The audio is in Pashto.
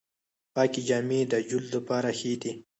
پاکې جامې د جلد لپاره ښې دي۔